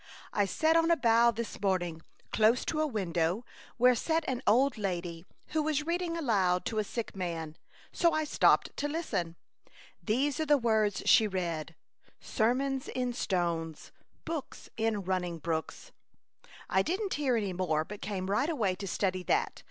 " I sat on a bough this morning, close to a win dow where sat an old lady, who was reading aloud to a sick man, so I stopped to listen. These are the words she read, —* Sermons in stones, books in running brooks.' I didn't hear any more, but came right away to study that.